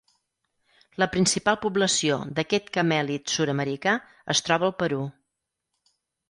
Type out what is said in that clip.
La principal població d'aquest camèlid sud-americà es troba al Perú.